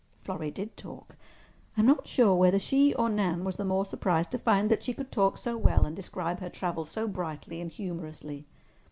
Florrie did talk. I'm not sure whether she or Nan was the more surprised to find that she could talk so well and describe her travels so brightly and humorously.